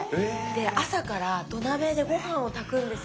朝から土鍋でご飯を炊くんですよ。